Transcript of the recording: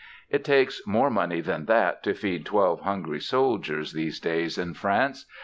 It takes more money than that to feed twelve hungry soldiers these days in France.